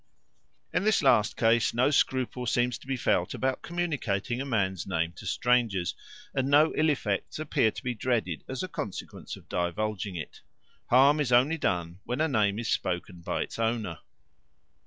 In this last case no scruple seems to be felt about communicating a man's name to strangers, and no ill effects appear to be dreaded as a consequence of divulging it; harm is only done when a name is spoken by its owner.